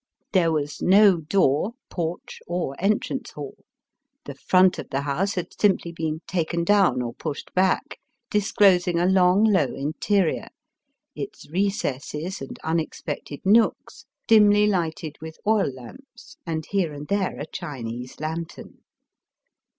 There was no door, porch, or entrance hall. The front of the house had simply been taken down or pushed back, dis closing a long, low interior, its recesses and unexpected nooks dimly lighted with oil lamps and here and there a Chinese lantern.